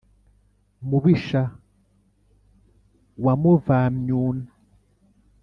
mubisha wa muvamyuna